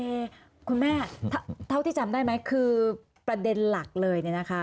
คุณแม่เท่าที่จำได้ไหมคือประเด็นหลักเลยเนี่ยนะคะ